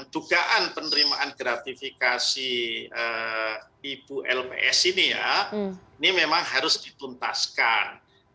dugaan penerimaan gratifikasi ibu lps ini ya ini memang harus dituntaskan